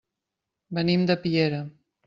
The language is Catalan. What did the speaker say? Venim de Piera.